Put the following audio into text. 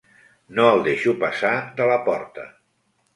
No el deixo passar de la porta.